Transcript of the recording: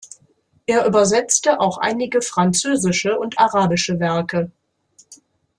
Er übersetzte auch einige französische und arabische Werke.